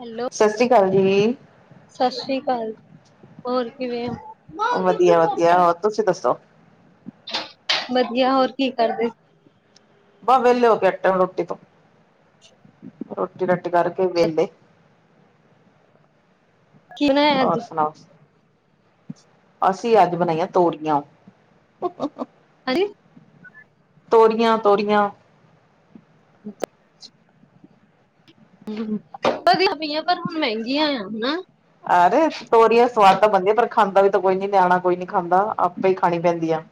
Hello ਸਤਿ ਸ੍ਰੀ ਅਕਾਲ ਜੀ ਸਤਿ ਸ੍ਰੀ ਅਕਾਲ ਹੋਰ ਕਿਵੇਂ ਸ ਵਧੀਆ ਹੋਰ ਕੀ ਕਰਦੇ ਬ ਵਲੇ ਐਟ ਉਟੀ [inaudible] ਛ [inaudible] ਰੋਟੀ ਰੋਟੀ ਕਰਕੇ ਵੇਹਲੇ ਕੀ ਬਣਾਇਆ ਹੋਰ ਅੱਜ ਸੁਣਾਓ? ਅਸੀਂ ਅੱਜ ਬਣਾਈਆਂ ਤੋਰੀਆਂ। ਕੀ? ਤੋਰੀਆਂ ਤੋਰੀਆਂ। ਅੱਛਾ। ਵਧੀਆ ਪਈਆਂ ਪਰ ਹੁਣ ਮਹਿੰਗੀਆਂ ਆ ਹਨਾ। ਆਰੇ ਤੋਰੀਆਂ ਸਵਾਦ ਤਾਂ ਬਣਦੀ ਆ ਪਰ ਖਾਂਦਾ ਵੀ ਤਾਂ ਕੋਈ ਨੀ ਨਿਆਣਾ ਕੋਈ ਨੀ ਖਾਂਦਾ ਆਪੇ ਹੀ ਖਾਣੀ ਪੈਂਦੀਆਂ ਹੈ। ਹੂੰ।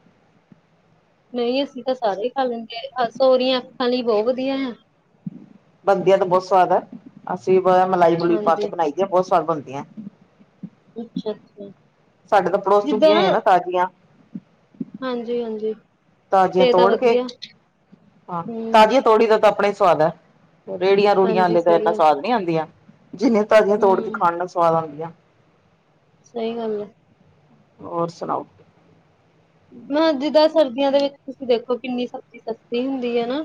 ਨਹੀਂ ਅਸੀਂ ਤਾਂ ਸਾਰੇ ਹੀ ਖਾ ਲੈਂਦੇ ਆ ਤੋਰੀਆਂ ਅੱਖਾਂ ਲਈ ਬਹੁਤ ਵਧੀਆ ਹੈ। ਬਣਦੀਆਂ ਤਾਂ ਬਹੁਤ ਸਵਾਦ ਹੈ। ਅਸੀਂ ਮਲਾਈ ਮਲੂਈ ਪਾ ਕੇ ਹਾਂਜੀ ਬਣਾਈ ਦੀ ਆ ਬਹੁਤ ਸਵਾਦ ਬਣਦੀਆਂ। ਅੱਛਾ ਅੱਛਾ। ਸਾਡੇ ਤਾਂ ਪੜੋਸ 'ਚ ਉੱਗੀਆਂ ਹੋਈਆਂ ਨਾ ਤਾਜ਼ੀਆਂ। ਹਾਂਜੀ ਹਾਂਜੀ। ਤਾਜ਼ੀਆਂ ਇਹ ਤਾਂ ਤੋੜ ਕੇ ਵਧੀਆ ਹਾਂ ਹਮ ਤਾਜ਼ੀਆਂ ਤੋੜੀ ਦਾ ਤਾਂ ਆਪਣਾ ਹੀ ਸਵਾਦ ਹੈ। ਰੇੜੀਆਂ ਰੂੜੀਆਂ ਹਾਂਜੀ ਆਲੀਆਂ ਤਾਂ ਸਹੀ ਇੰਨਾ ਗੱਲ ਸਵਾਦ ਨੀ ਆਉਂਦੀਆਂ ਜਿੰਨੀਆਂ ਤਾਜ਼ੀਆਂ ਤੋੜ ਕੇ ਹਮ ਖਾਣ ਨਾਲ ਸਵਾਦ ਆਉਂਦੀਆਂ ਹੈ। ਸਹੀ ਗੱਲ ਹੈ। ਹੋਰ ਸੁਣਾਓ? ਹਾਂ ਜਿੱਦਾਂ ਸਰਦੀਆਂ ਦੇ ਵਿੱਚ ਤੁਸੀਂ ਦੇਖੋ ਕਿੰਨੀ ਸਬਜ਼ੀ ਸਸਤੀ ਹੁੰਦੀ ਹੈ ਨਾ।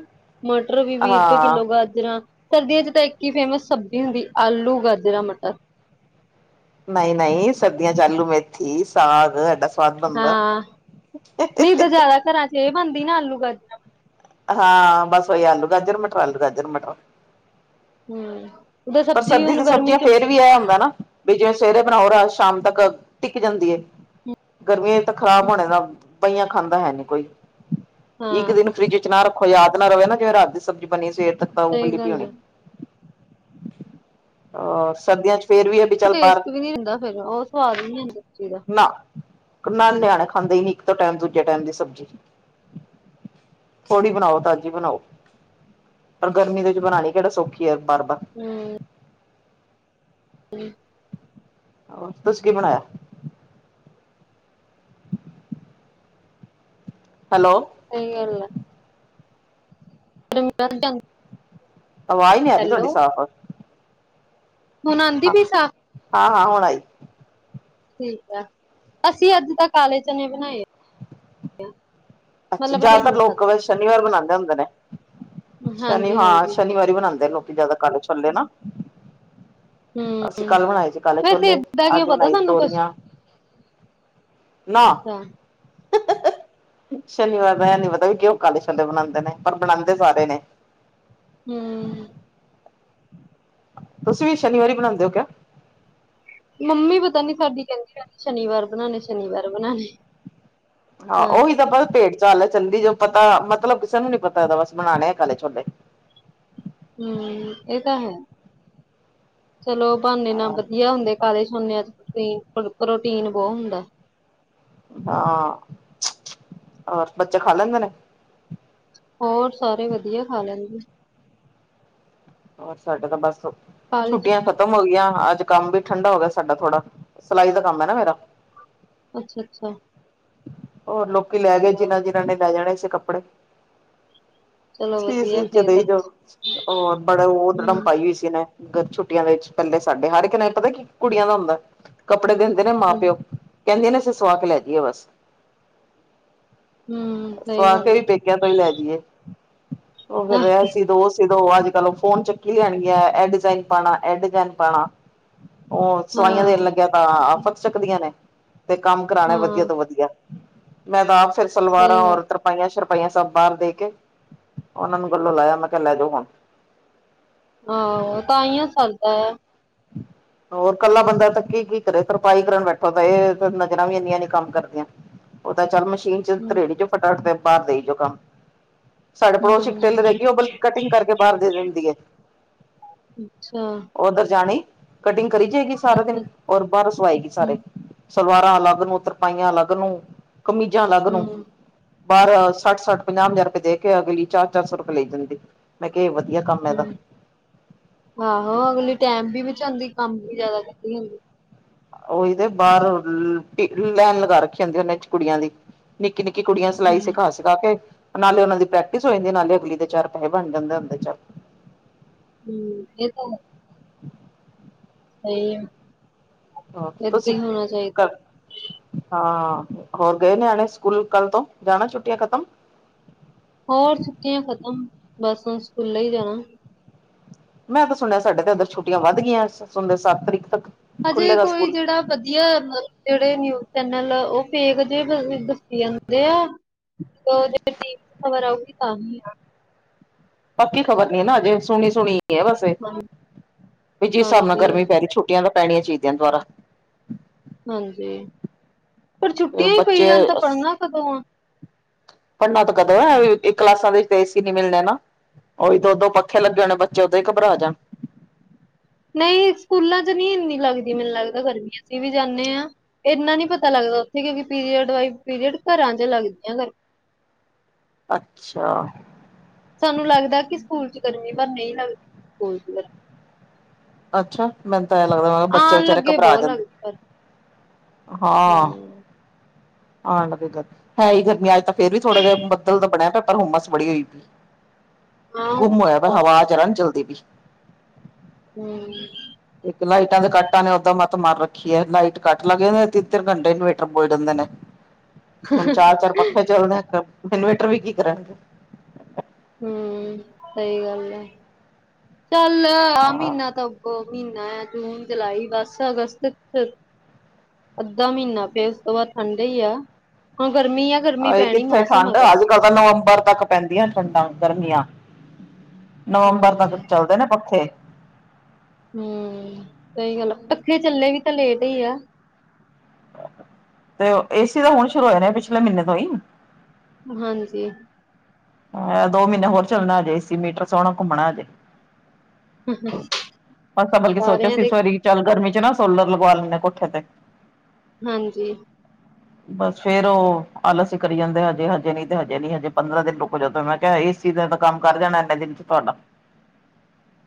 ਮਟਰ ਵੀ ਵੀਹ ਰੁਪਏ ਹਾਂ ਕਿੱਲੋ ਗਾਜਰਾਂ। ਸਰਦੀਆਂ 'ਚ ਤਾਂ ਇੱਕ ਹੀ ਫੇਮਸ ਸਬਜ਼ੀ ਹੁੰਦੀ ਹੈ ਆਲੂ, ਗਾਜਰਾਂ, ਮਟਰ। ਨਹੀਂ ਨਹੀਂ ਸਰਦੀਆਂ 'ਚ ਆਲੂ ਮੇਥੀ, ਸਾਗ। ਸਵਾਦ ਬਣਦਾ ਹਾਂ ਨਹੀਂ ਤੇ ਜਿਆਦਾ ਘਰਾਂ 'ਚ ਇਹ ਬਣਦੀ ਨਾ ਆਲੂ, ਗਾਜਰਾਂ। ਹਾਂ ਬਸ ਉਹੀ ਆਲੂ ਗਾਜਰ ਮਟਰ, ਆਲੂ ਗਾਜਰ ਮਟਰ। ਹੂੰ। ਉਹਦਾ ਪਰ ਸਬਜ਼ੀ ਸਰਦੀ ਹੁਣ ਤੇ ਗਰਮੀ ਸਬਜ਼ੀਆਂ ਚ ਫੇਰ ਵੀ ਇਹ ਹੁੰਦਾ ਨਾ। ਵੀ ਜਿਵੇਂ ਸਵੇਰੇ ਬਣਾਓ ਰਾਤ ਸ਼ਾਮ ਤੱਕ ਟਿੱਕ ਜਾਂਦੀ ਹੈ ਗਰਮੀਆ 'ਚ ਤੇ ਖ਼ਰਾਬ ਹੋਣੇ ਨਾ। ਬਹੀਆਂ ਖਾਂਦਾ ਹੈ ਨੀ ਕੋਈ ਇੱਕ ਹਾਂ ਦਿਨ ਫਰਿੱਜ 'ਚ ਨਾ ਰੱਖੋ। ਕੋਈ ਯਾਦ ਨਾ ਰਵੇ ਨਾ ਜਿਵੇਂ ਰਾਤ ਦੀ ਸਬਜ਼ੀ ਬਣੀ ਸਵੇਰ ਤੱਕ ਤਾਂ ਸਹੀ ਉਬੱਲੀ ਪਈ ਗੱਲ ਹੋਣੀ। ਹੈ ਹਾਂ ਸਰਦੀਆਂ 'ਚ। ਫੇਰ ਵੀ ਹੈ ਵੀ ਉਹ ਚੱਲ ਬਾਹਰ ਟੇਸਟ ਵੀ ਨੀ ਰਹਿੰਦਾ ਫਿਰ ਉਹ ਸਵਾਦ ਵੀ ਨਹੀਂ ਹੁੰਦਾ ਉਸ ਚੀਜ਼ ਦਾ। ਇੱਕ ਨਾਲ਼ੇ ਨਿਆਣੇ ਖਾਂਦੇ ਹੀ ਸੀ ਇੱਕ ਤੋਂ ਟਾਈਮ ਦੂਜੇ ਟਾਈਮ ਦੀ ਸਬਜ਼ੀ। ਥੋੜ੍ਹੀ ਬਣਾਓ ਤਾਜ਼ੀ ਬਣਾਓ। ਪਰ ਗਰਮੀ ਦੇ ਵਿੱਚ ਬਣਾਉਣੀ ਕਿਹੜਾ ਸੌਖੀ ਹੈ ਵਾਰ ਵਾਰ। ਹੂੰ ਹੂੰ। ਹੂੰ ਤੁਸੀ ਕੀ ਬਣਾਇਆ? ਹੈਲੋ। ਨਹੀਂ ਹਲੇ। [inaudible] ਆਵਾਜ਼ ਨਹੀਂ ਆਉਂਦੀ ਹੈਲੋ ਤੁਹਾਡੀ ਸਾਫ਼। ਹੁਣ ਆਂਦੀ ਪਈ ਸਾਫ਼ ਹਾਂ ਹਾਂ ਹੁਣ ਆਈ। ਠੀਕ ਹੈ ਅਸੀਂ ਅੱਜ ਤਾਂ ਕਾਲੇ ਚਨੇ ਬਣਾਏ ਹੈ। ਅੱਛਾ ਜ਼ਿਆਦਾਤਰ ਲੋਕ ਇਹ ਸ਼ਨੀਵਾਰ ਮਨਾਉਂਦੇ ਹੁੰਦੇ ਨੇ। ਸ਼ਨੀ ਹਾਂਜੀ ਹਾਂ ਹਾਂਜੀ ਸ਼ਨੀਵਾਰ ਹੀ ਬਣਾਉਂਦੇ ਲੋਕੀ ਜਿਆਦਾ ਕਾਲੇ ਛੋਲੇ ਨਾ। ਹੂੰ ਅਸੀਂ ਕੱਲ੍ਹ ਬਣਾਏ ਸੀ ਕੱਲ ਵੈਸੇ ਛੋਲੇ ਏਦਾਂ ਕਿਉਂ ਅੱਜ ਪਤਾ ਬਣਾਏ ਤੁਹਾਨੂੰ ਕੁਛ ਤੋਰੀਆਂ। ਨਾ। ਅੱਛਾ ਸ਼ਨੀਵਾਰ ਦਾ ਇਹ ਨੀ ਪਤਾ ਵੀ ਕਿਉ ਉਹ ਕਾਲੇ ਛੋਲੇ ਬਣਾਉਂਦੇ ਨੇ ਪਰ ਬਣਾਉਂਦੇ ਸਾਰੇ ਨੇ। ਹੂੰ ਤੁਸੀਂ ਵੀ ਸ਼ਨੀਵਾਰ ਬਣਾਉਂਦੇ ਹੋ ਕਿਆ? ਮੰਮੀ ਪਤਾ ਨੀ ਸਾਡੀ ਕਹਿੰਦੀ ਰਹਿੰਦੀ ਹੈ ਸ਼ਨੀਵਾਰ ਬਣਾਉਣੇ ਹੈ ਸ਼ਨੀਵਾਰ ਬਣਾਉਣੇ ਹੈ। ਹਾਂ ਉਹੀ ਤਾਂ ਪਤਾ ਭੇੜ ਚਾਲ ਹੈ ਚਲੀ ਜਾੳ। ਪਤਾ ਮਤਲਬ ਕਿਸੇ ਨੂੰ ਨੀ ਪਤਾ ਇਹ ਦਾ ਬਸ ਬਣਾਉਣੇ ਆ ਕਾਲੇ ਛੋਲੇ। ਹਮ ਇਹ ਤਾਂ ਹੈ ਚਲੋ ਬਹਾਾਨੇ ਨਾਲ ਵਧੀਆ ਹੁੰਦੇ ਕਾਹੇ ਸੁਣਨਿਆਂ ਚ ਪ੍ਰੋਟੀਨ ਬਹੁਤ ਹੁੰਦਾ ਹਾਂ ਹੋਰ ਬੱਚੇ ਖਾ ਲੈਂਦੇ ਨੇ ਹੋਰ ਸਾਰੇ ਵਧੀਆ ਖਾ ਲੈਂਣਦੇ ਹੋਰ ਸਾਡੇ ਤਾਂ ਬਸ ਛੁੱਟੀਆਂ ਖਤਮ ਹੋ ਗਈਆਂ ਹਾਂ ਅੱਜ ਕੰਮ ਵੀ ਠੰਡਾ ਹੋ ਗਿਆ ਸਾਡਾ ਥੋੜਾ ਸਿਲਾਈ ਦਾ ਕੰਮ ਹੈ ਨਾ ਮੇਰਾ ਅੱਛਾ ਅੱਛਾ ਹੋਰ ਲੋਕੀ ਲੈ ਗਏ ਲਓ, ਜਿਨ੍ਹਾਂ ਜਿਨ੍ਹਾਂ ਨੇ ਲੈ ਜਾਣੇ ਸੀ ਕੱਪੜੇ ਚਲੋ ਸੀ ਵਧੀਆ ਸੀ ਚ ਫੇਰ ਦੇਈ ਤਾਂ ਜਾ ਹੋਰ ਬੜੇ ਦੜਮ ਹੂੰ ਪਾਈ ਹੋਈ ਸੀਨੇ ਛੁੱਟੀਆਂ ਦੇ ਵਿੱਚ ਪਹਿਲੇ ਸਾਡੇ ਹਰ ਇੱਕ ਨੇ ਪਤਾ ਕੀ ਕੁੜੀਆਂ ਦਾ ਹੁੰਦਾ ਕੱਪੜੇ ਦਿੰਦੇ ਨੇ ਮਾਂ ਹੂੰ ਪਿਓ ਕਹਿੰਦੀ ਨਾ ਸਿਰ ਸੁਹਾ ਕੇ ਲੈ ਦੀਏ ਬਸ ਹੂੰ, ਸਹੀ ਸੁਆ ਕੇ ਗੱਲ ਵੀ ਪੇਕਿਆ ਤੋਂ ਹੀ ਲੈ ਜਾਈਏ ਉਹ ਫਿਰ ਆ ਰਿਹਾ ਸੀ ਦੋਤ ਜਦੋਂ ਅੱਜ ਕੱਲ ਉਹ ਫੋਨ ਚੱਕੀ ਲਿਆਣਗ ਇਹ ਡਿਜ਼ਾਇਨ ਪਾਉਣਾ ਇਹ ਡਿਜਾਇਨ ਪਾਉਣਾ ਉਹ ਸਵਾਈਆਂ ਦੇਣ ਹਾਂ ਲੱਗਿਆ ਤਾਂ ਆ ਫਤ ਚੱਕਦੀਆਂ ਨੇ ਤੇ ਕੰਮ ਕਰਾਣੇ ਵਧੀਆ ਹਾਂ ਤੋਂ ਵਧੀਆ ਮੈਂ ਤਾਂ ਆਪ ਫਿਰ ਸਲਵਾਰਾਂ ਸਹੀ ਔਰ ਗੱਲ ਤਰਪਾਈਆਂ ਪਾਈਆਂ ਸਭ ਬਾਹਰ ਦੇ ਕੇ ਉਹਨਾਂ ਨੂੰ ਗੱਲੋਂ ਲਾਇਆ ਮੈਂ ਕਿਹਾ ਲੈ ਜਾਓ ਹੁਣ ਆਹੋ ਤਾਂ ਆ ਸਰਦਾ ਆ ਹਮ ਹੋਰ ਇਕੱਲਾ ਬੰਦਾ ਤਾਂ ਕੀ ਕੀ ਕਰੇ ਤਰਪਾਈ ਕਰਨ ਬੈਠੋ ਤਾਂ ਇਹ ਨਜ਼ਰਾਂ ਵੀ ਇੰਨੀਆਂ ਨੀ ਕੰਮ ਕਰਦੀਆਂ ਉਹ ਤਾਂ ਚੱਲ ਮਸ਼ੀਨ ਚ ਹੂੰ ਧਰੇੜੀ ਜਾਓ ਫਟਾਫਟ ਤੇ ਬਾਹਰ ਦੇਈ ਜਾਓ ਕੰਮ। ਸਾਡੇ ਗੁਆਂਡੀ ਹੂੰ ਟੇਲਰ ਹੈਗੀ ਉਹ ਬਲਕਿ ਕਟਿੰਗ ਕਰਕੇ ਬਾਹਰ ਦੇ ਦਿੰਦੀ ਹੈ। ਅੱਛਾ ਉਧਰ ਜਾਣੀ ਕਟਿੰਗ ਕਰੀ ਜਾਏਗੀ ਸਾਰਾ ਅੱਛਾ ਦਿਨ ਔਰ ਬਾਹਰ ਸਵਾਏਗੀ ਹੂੰ ਸਾਰੇ ਸਲਵਾਰਾਂ ਅਲੱਗ ਨੂੰ ਤਰਪਾਈਆਂ ਅਲੱਗ ਨੂੰ ਕਮੀਜ਼ਾਂ ਅਲੱਗ ਨੂੰ ਹੂੰ ਬਾਹਰਹ ਸੱਠ ਸੱਠ ਪੰਜਾਹ ਹਜ਼ਾਰ ਰੁਪਏ ਦੇ ਕੇ ਅਗਲੀ ਚਾਰ ਚਾਰ ਸੌ ਰੁਪਏ ਲਈ ਜਾਂਦੇ ਮੈਂ ਕਿਹਾ ਇਹ ਵਧੀਆ ਕੰਮ ਇਹਦਾ ਹਮ ਆਹੋ ਅਗਲੀ ਟੈਮ ਵੀ ਵਿੱਚਉਦੀ ਕੰਮ ਵੀ ਜਿਆਦਾ ਕੀਤੀ ਹਦੀ ਉਹੀਦੇ ਬਾਹਰ ਲੈਣ ਲਗਾ ਰੱਖੀ ਹੁੰਦੀ ਉਹਨੇ ਚ ਕੁੜੀਆਂ ਦੀ ਨਿੱ ਨ ਨਿੱਕੀ ਕੁੜੀਆਂ ਸਿਲਾਈ ਹੂੰ ਸਿਖਾ ਸਿਖਾ ਕੇ ਨਾਲੇ ਉਹਨਾਂ ਦੀ ਪ੍ਰੈਕਟਿਸ ਹੋ ਜਾਂਦੀ ਨਾਲੇ ਅਗਲੀ ਦੇ ਚਾਰ ਪੈਸੇ ਬਣ ਜਾਂਦੇ ਹਦੇ ਚ ਹਮ ਇਹ ਤਾਂ [inaudible] ਸਹੀ ਹ ਏਦਾਂ ਹੀ ਤੁਸੀਸੀਂ ਹੋਣਾ ਚਾਹੀਦਾ ਕਰ ਹਾਂ ਹੋਰ ਗਏ ਨਿਆਣੇ ਸਕੂਲ ਕੱਲ ਤੋਂ ਜਾਣਾ ਛੁੱਟੀਆਂ ਖਤਮ ਹੋਰ ਸੁੁੱਕੀਆਂ ਖ਼ਤਮ ਬੱਸਾਂ ਸਕੂਲਾਂ ਹੀ ਜਾਣਾ ਮੈਂ ਤਾਂ ਸੁਣਿਆ ਸਾਡੇ ਤੇ ਇੱਧਰ ਛੁੱਟੀਆਂ ਵੱਧ ਗਈਆਂ ਸੁਣਦੇ ਸੱਤ ਤਰੀਕ ਤੱਕ ਹਜੇ ਖੁੱਲੇਗਾ ਕੋਈ ਸਕੂਲ ਜਿਹੜਾ ਵਧੀਆ ਜਿਹੜੇ ਨਿਊਜ ਚੈਨਲ ਉਹ। ਫੇਕ ਜਿਹੀ ਦੱਸੀ ਜਾਂਦੇ ਆ ਤੇ ਉਹ ਟੀਵੀ ਚ ਖਬਰ ਆਊਗੀ ਤਾਂ ਪੱਕੀ ਖ਼ਬਰ ਨੀ ਨਾ ਅਜੇ ਸੁਣੀ ਸੁਣੀ ਹੈ ਵੈਸੇ ਵੀ ਜਿਸ ਹਿਸਾਬ ਨਾਲ ਗਰਮੀ ਹਾਂਜੀ। ਪੈ ਰਹੀ ਛੁੱਟੀਆਂ ਦਾ ਪੈਣੀਆਂ ਚਾਹੀਦੀਆਂ ਦੁਬਾਰਾ। ਹਾਂਜੀ ਪਰ ਛੁੱਟੀਆਂ ਹੀ ਪਈ ਬੱਚੇ ਜਾ ਤਾਂ ਪੜ੍ਹਨਾ ਕਦੋਂ ਆ? ਪੜ੍ਹਨਾ ਤਾਂ ਕਦੋ ਹੈ ਕਲਾਸਾਂ ਦੇ ਵਿੱਚ ਏਸੀ ਨੀ ਮਿਲਣੇ ਨਾ। ਉਹੀ ਦੋ ਦੋ ਪੱਖੇ ਲੱਗੇ ਹੋਣੇ ਬੱਚੇ ਉਦਾ ਹੀ ਘਬਰਾ ਜਾਣ। ਨਹੀਂ ਸਕੂਲਾਂ ਚ ਨਹੀਂ ਇੰਨੀ ਲੱਗਦੀ ਮੈਨੂੰ ਲੱਗਦਾ ਗਰਮੀ ਅਸੀਂ ਵੀ ਜਾਂਦੇ ਹਾਂ ਇੰਨਾ ਨੀ ਪਤਾ ਲੱਗਦਾ। ਉੱਥੇ ਕਿਉਂਕਿ ਪੀਰੀਅਡ ਵਾਈਜ਼ ਪੀਰੀਅਡ ਘਰਾਂ ਚ ਲੱਗਦੀਆਂ ਗਰਮੀਆਂ। ਅੱਛਾ ਉਝ ਗਰਮੀ ਤਾਂ ਨਹੀਂ ਲੱਗਦੀ ਸਕੂਲ ਚ। ਅੱਛਾ ਮੈਨੂੰ ਤਾਂ ਐ ਲੱਗਦਾ ਮੈਂ ਕਿਹਾ ਬੱਚੇ ਆਉਣ ਵਿਚਾਰੇ ਲੱਗੇ ਘਬਰਾ ਜਾਂਦੇ। ਹਾਂ ਹਮ ਹੈ ਹੀ ਗਰਮੀ ਅੱਜ ਤਾਂ ਫੇਰ ਵੀ ਥੋੜਾ ਜਿਹਾ ਬੱਦਲ ਦਾ ਬਣਿਆ ਪਿਆ ਪਰ ਹੁੰਮਸ ਬੜੀ ਹੋਈ ਪਈ। ਹਾਂ ਉਹ ਗੁੰਮ ਹੋਇਆ ਪਿਆ ਤਾਂ ਹਵਾ ਜਰਾ ਨਹੀਂ ਚਲਦੀ ਪਈ। [unintelligible] ਇੱਕ ਲਾਈਟਾਂ ਦੇ ਕੱਟਾਂ ਨੇ ਓਦਾਂ ਮੱਤ ਮਾਰ ਰੱਖੀਏ ਲਾਈਟ ਕੱਟ ਲੱਗ ਜਾਂ ਤਿੰਨ ਤਿੰਨ ਘੰਟੇ ਇਨਵੇਟਰ ਬੋਲ ਜਾਂਦੇ ਨੇ। ਹੁਣ ਚਾਰ ਚਾਰ ਪੱਖੇ ਚੱਲਦੇ ਇਨਵੇਟਰ ਵੀ ਕੀ ਕਰਨ। ਹਮ, ਸਹੀ ਗੱਲ ਆ ਚੱਲ ਆ ਹਾਂ ਮਹੀਨਾ ਤਾਂ ਅੱਗੋਂ ਮਹੀਨਾ। ਜੂਨ ਜੁਲਾਈ ਬਸ ਅਗਸਤ । ਅੱਧਾ ਮਹੀਨਾ ਫਿਰ ਉਸ ਤੋਂ ਬਾਅਦ ਠੰਡ ਈ ਆ। ਗਰਮੀ ਆ ਗਰਮੀ ਹਜੇ ਪੈਣੀ ਕਿੱਥੇ ਮੌਸਮ ਆ ਠੰਡ ਅੱਜ ਗਰਮੀ ਕੱਲ ਦਾ ਤਾਂ ਨਵੰਬਰ ਤੱਕ ਪੈਂਦੀਆਂ ਠੰਡਾਂ ਗਰਮੀਆਂ। ਨਵੰਬਰ ਤੱਕ ਹਮ ਚੱਲਦੇ ਨੇ ਪੱਖੇ। ਹਮ, ਸਹੀ ਗੱਲ ਆ ਪੱਖੇ ਚੱਲੇ ਵੀ ਤਾਂ ਲੇਟ ਈ ਆ। ਤੇ ਏਸੀ ਤਾਂ ਹੁਣ ਸ਼ੁਰੂ ਹੋਏ ਨੇ ਪਿਛਲੇ ਮਹੀਨੇ ਤੋਂ ਹੀ। ਹਾਂਜੀ ਦੋ ਮਹੀਨੇ ਹੋਰ ਚੱਲਣਾ ਅਜੇ ਏ ਸੀ ਮੀਟਰ ਸੋਹਣਾ ਘੁੰਮਣਾ ਹਜੇ। [unintelligible] ਅਸੀ ਤਾਂ ਬਲਕਿ ਸੋਚਿਆ ਸਾਰਿਆਂ ਸੀ ਦੇ ਇਸ ਵਾਰੀ ਚੱਲ ਗਰਮੀ ਚ ਨਾ ਸੋਲਰ ਲਗਵਾ ਲੈਂਦੇ ਕੋਠੇ ਤੇ। ਹਾਂਜੀ ਬਸ ਫੇਰ ਉਹ ਆਲਸੀ ਕਰੀ ਜਾਂਦੇ ਹਜੇ, ਹਜੇ ਹੀਂ ਤੇ ਹਜੇ ਨਹੀ ਹਜੇ ਪੰਦਰਾਂ ਦਿਨ ਰੁਕੋ ਜਦੋਂ ਮੈਂ ਕਿਹਾ ਸੀ । ਇਸ ਦਾ ਕੰਮ ਕਰ ਜਾਣਾ ਇੰਨੇ ਦਿਨ ਚ ਤੁਹਾਡਾ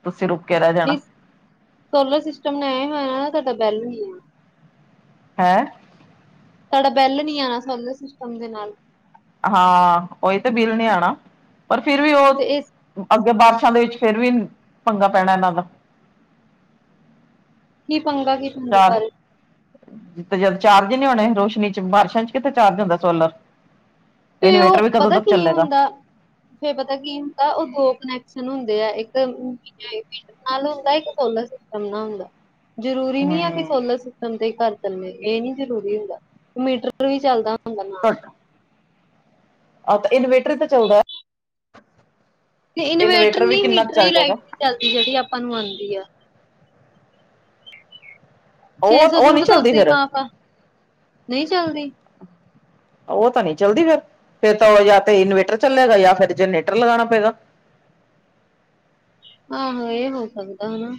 ਤੁਸੀਂ ਰੁਕ ਕੇ ਰਹਿ ਜਾਣਾ ਨਹੀਂ ਸੋਲਰ ਸਿਸਟਮ ਲਾਇਆ ਹੋਇਆ ਨਾ, ਨਾ ਤੁਹਾਡਾ ਬਿਲ ਨਹੀਂ ਆਨਾ ਹੈਂ? ਤੁਹਾਡਾ ਬਿਲ ਨੀ ਆਉਣਾ, ਸੋਲਰ ਸਿਸਟਮ ਦੇ ਨਾਲ। ਹਾਂ, ਉਹੀ ਤੇ ਬਿੱਲ ਨੀ ਆਉਣਾ ਪਰ ਫਿਰ ਵੀ ਉਹ। ਤੇ ਇਹ ਬਾਰਿਸ਼ਾਂ ਦੇ ਵਿੱਚ ਫਿਰ ਵੀ ਪੰਗਾ ਪੈਣਾ ਇਹਨਾਂ ਦਾ। ਕੀ ਪੰਗਾ ਕੀ ਚਾਰ [inaudible] ਜਦ ਚਾਰਜ ਨੀ ਹੋਣੇ ਰੋਸ਼ਨੀ ਚ ਬਾਰਿਸ਼ਾਂ ਚ ਕਿਤੇ ਚਾਰਜ ਹੁੰਦਾ ਸੋਲਰ? ਫਿਰ ਉਹ ਇਨਵੇਟਰ ਵੀ ਕਦੋਂ ਪਤਾ ਤੱਕ ਕੀ ਚੱਲੇਗਾ ਹੁੰਦਾ ਫੇਰ ਪਤਾ ਕੀ ਹੁੰਦਾ ਉਹ ਦੋ ਹੁੰਦੇ ਹੈ ਇੱਕ ਏ ਸੀ ਨਾਲ ਹੁੰਦਾ, ਇੱਕ ਸੋਲ ਸਿਸਟਮ ਨਾਲ ਹੁੰਦਾ। ਜ਼ਰੂਰੀ ਨੀ ਆ ਕਿ ਹਮ ਸੋਲਰ ਸਿਸਟਮ ਤੇ ਘਰ ਚੱਲੇ ਇਹ ਨੀ ਜਰੂਰੀ ਹੁੰਦਾ ਮੀਟਰ ਵੀ ਚੱਲਦਾ। [inaudible] ਆਹ ਤੇ ਇਨਵੇਟਰ ਤਾਂ ਚਲਦਾ। ਤੇ ਇਨਵੇਟਰ ਨਹੀਂ ਮੀਟਰ ਹੀ ਲਾਈਟ ਵੀ ਚੱਲਦੀ ਜਿਹੜੀ ਆਪਾਂ ਨੂੰ ਆਉਂਦੀ ਆ। ਛੇ ਉਹ ਸੌ ਉਹ ਨਹੀਂ ਯੂਨਿਟ ਤਾਂ ਚੱਲਦੀ ਉਦਾਂ ਹੀ ਫੇਰ ਮਾਫ ਹੈ ਨਹੀ ਚਲਦੀ। ਉਹ ਤਾਂ ਨਹੀਂ ਚੱਲਦੀ ਫਿਰ। ਫਿਰ ਤਾਂ ਯਾ ਤਾਂ ਇਨਵੇਟਰ ਚੱਲੇਗਾ ਯਾ ਫਿਰ ਜਨਰੇਟਰ ਲਗਾਣਾ ਪਏਗਾ। ਆਹੋ ਇਹ ਹੋ ਸਕਦਾ ਹੈ ਨਾ।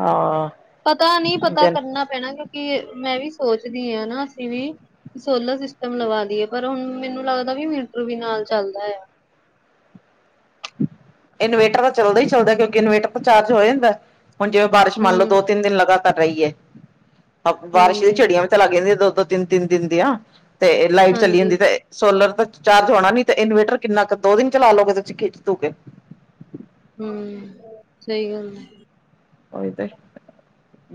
ਹਾਂ ਪਤਾ ਨਹੀ ਪਤਾ ਜਨ ਕਰਨਾ ਪੈਣਾ ਕਿਉਂਕਿ ਮੈਂ ਵੀ ਸੋਚਦੀ ਹਾਂ ਨਾ ਅਸੀਂ ਵੀ ਸੋਲਰ ਸਿਸਟਮ ਲਵਾ ਲੀਏ ਪਰ ਹੁਣ ਮੈਨੂੰ ਲੱਗਦਾ ਵੀ ਮੀਟਰ ਵੀ ਨਾਲ ਚੱਲਦਾ ਹੈ ਇਨਵੇਟਰ ਤਾਂ ਚੱਲਦਾ ਹੀ ਚੱਲਦਾ ਕਿਉਂਕਿ ਇਨਵੇਟਰ ਤਾਂ ਚਾਰਜ ਹੋ ਜਾਂਦਾ ਹੁਣ ਜਿਵੇਂ ਬਾਰਿਸ਼ ਮੰਨ ਲਓ ਹੂੰ, ਦੋ ਤਿੰਨ ਦਿਨ ਲਗਾਤਾਰ ਰਹੀ ਏ ਬਾਰਸ਼ ਦੀ ਹਾਂਜੀ, ਝੜੀਆਂ ਵੀ ਤਾਂ ਲੱਗ ਜਾਂਦੀਆਂ ਦੋ, ਦੋ ਤਿੰਨ, ਤਿੰਨ ਦਿਨ ਦੀ ਆ ਤੇ ਲਾਈਟ ਚਲੀ ਹਾਂਜੀ, ਜਾਂਦੀ ਤੇ ਸੋਲਰ ਤਾਂ ਚਾਰਜ ਹੋਣਾ ਨੀ ਤੇ ਇਨਵੇਟਰ ਕਿੰਨਾ ਕੁ ਦੋ ਦਿਨ ਚਲਾ ਲਓਗੇ ਤੁਸੀਂ [inaudible] ਹਮ ਸਹੀ ਗਲ ਹ ਹੋ ਤੇ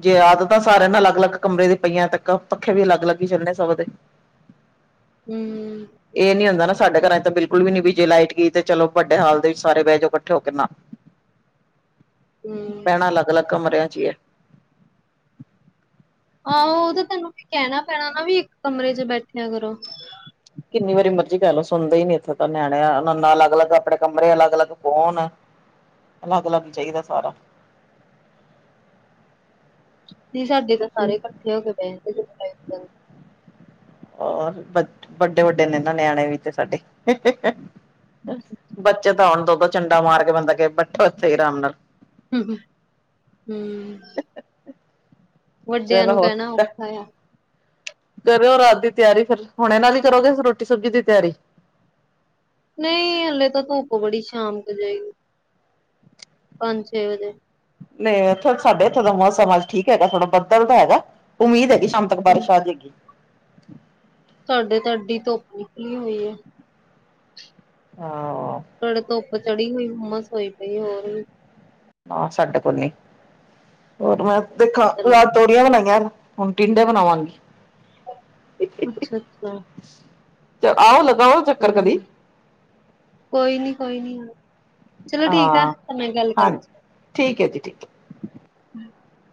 ਜੇ ਆਦਤਾਂ ਸਾਰਿਆਂ ਨੂੰ ਅਲੱਗ- ਅਲੱਗ ਕਮਰੇ ਦੀ ਪਈਆਂ ਤ ਪੱਖੇ ਵੀ ਅਲੱਗ- ਅਲੱਗ ਹੀ ਚੱਲਣੇ ਸਭ ਦੇ ਹੂੰ। ਇਹ ਨੀ ਹੁੰਦਾ ਨਾ ਸਾਡੇ ਘਰਾਂ ਤਾਂ ਬਿਲਕੁਲ ਵੀ ਨੀ ਵੀ ਜੇ ਲਾਈਟ ਗਈ ਤੇ ਚਲੋ ਪਟਿਆਲਾ ਦੇ ਵਿੱਚ ਸਾਰੇ ਬਹਿ ਜਾਓ ਇਕੱਠੇ ਹੋ ਕੇ ਨਾ ਹੂੰ, ਪੈਣਾ ਅਲੱਗ ਅਲੱਗ ਕਮਰਿਆਂ ਚ ਹੀ ਆ ਉਹਦੇ ਤੈਨੂੰ ਕੀ ਕਹਿਣਾ ਪੈਣਾ ਨਾ ਵੀ ਕਮਰੇ ਚ ਬੈਠਿਆ ਕਰੋ ਕਿੰਨੀ ਵਾਰੀ ਮਰਜੀ ਕਰ ਲਓ ਸੁਣਦੇ ਹੀ ਨਹੀਂ ਇੱਥੋਂ ਤਾਂ ਨਿਆਣੇ ਨਾਲ ਅਲੱਗ ਅਲੱਗ ਆਪਣੇ ਕਮਰੇ ਅਲੱਗ ਅਲੱਗ ਫੋਨ ਅਲੱਗ ਅਲੱਗ ਚਾਹੀਦਾ ਸਾਰਾ ਸਾਡੀ ਤਾਂ ਸਾਰੇ ਇਕੱਠੇ ਹੋ ਕੇ ਬੇਨਤੀ ਵੱਡੇ ਵੱਡੇ ਨੇ ਇਹਨਾਂ ਨਿਆਣੇ ਵੀ ਤੇ ਬੱਚੇ ਤਾਂ ਆਉਣ ਤੋਂ ਤਾਂ ਝੰਡਾ ਮਾਰ ਕੇ ਬੰਦਾ ਕਹੇ ਹਮ ਹਮ ਵੱਡਿਆਂ ਚਲੋ ਨੂੰ ਹੋਰ ਕਹਿਣਾ ਔਖਾ ਕਰਿਓ ਰਾਤ ਦੀ ਤਿਆਰੀ ਫਿਰ ਹੁਣ ਇਹਨਾਂ ਨਹੀਂ ਕਰੋਗੇ ਰੋਟੀ ਸਬਜੀ ਦੀ ਤਿਆਰੀ ਨਹੀਂ ਹਲੇ ਤਾਂ ਧੁੱਪ ਬੜੀ ਸ਼ਾਂਤ ਪੰਜ ਛੇ ਵਜੇ ਨਹੀਂ ਇਥੇ ਸਾਡੇ ਇਥੇ ਦਾ ਮੌਸਮ ਠੀਕ ਹ ਨਾ ਥੋੜਾ ਬੱਦਲ ਦਾ ਹੈਗਾ ਉਮੀਦ ਹੈਗੀ ਅਤਕ ਹੂੰ, ਬਾਰਸ਼ ਆ ਜਾਏਗੀ ਸਾਡੇ ਤੁਹਾਡੀ ਧੁੱਪ ਨਿਕਲੀ ਹੋਈ ਹੈ ਹਾਂ ਹੁਣ ਧੁੱਪ ਚੜੀ ਹੋਈ ਹੁਮਸ ਹੋਈ ਪਈ ਹਾਂ ਸਾਡੇ ਕੋਲ ਨਹੀਂ ਉਦੋਂ ਅੱਛਾ-ਅੱਛਾ, ਚਲੋ ਮੈਂ ਤੋਰੀਆਂ ਬਣਾਈਆਂ ਉਟੀਦੇ ਬਣਾਵਾਂਗੇ ਅੱਛਾ ਅੱਛਾ ਤੇ ਆਓ ਲਗਾਓ ਚੱਕਰ ਚਲੋ ਕਦੀ ਕੋਈ ਨੀ ਕੋਈ ਨੀ ਚਲੋ ਠੀਕ ਆ, ਹਾਂ ਤੁਹਾਡੇ ਨਾਲ ਗੱਲ ਕਰਕੇ ਹਾਂਜੀ ਠੀਕ ਹੈ ਜੀ ਠੀਕ ਹੈ ਹਮ